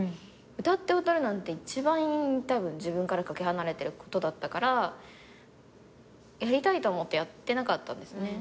歌って踊るなんて一番たぶん自分から懸け離れてることだったからやりたいと思ってやってなかったんですね。